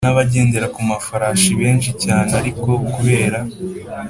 N abagendera ku mafarashi benshi cyane c ariko kubera